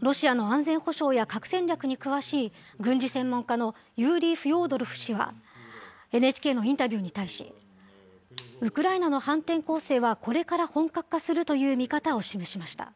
ロシアの安全保障や核戦略に詳しい、軍事専門家のユーリー・フョードロフ氏はＮＨＫのインタビューに対し、ウクライナの反転攻勢はこれから本格化するという見方を示しました。